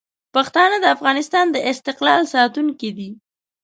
پښتانه د افغانستان د استقلال ساتونکي دي.